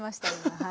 はい。